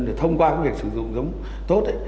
để thông qua cái việc sử dụng giống tốt ấy